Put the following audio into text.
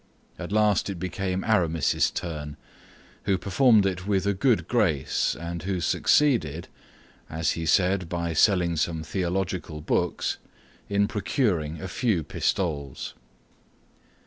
At last it became Aramis's turn, who performed it with a good grace and who succeeded—as he said, by selling some theological books—in procuring a few pistoles.